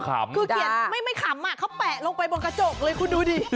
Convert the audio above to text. คือเขียนไม่ขำเขาแปะลงไปบนกระจกเลยคุณดูดิ